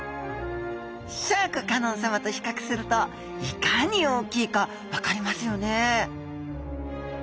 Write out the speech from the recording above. シャーク香音さまと比較するといかに大きいか分かりますよね